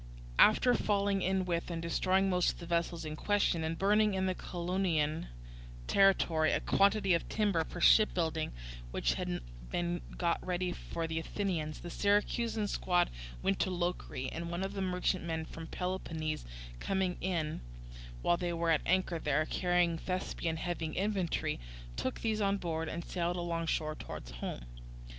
After falling in with and destroying most of the vessels in question, and burning in the Caulonian territory a quantity of timber for shipbuilding, which had been got ready for the Athenians, the Syracusan squadron went to Locri, and one of the merchantmen from Peloponnese coming in, while they were at anchor there, carrying Thespian heavy infantry, took these on board and sailed alongshore towards home.